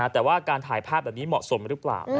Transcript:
แต่ว่าการถ่ายภาพแบบนี้เหมาะสมหรือเปล่า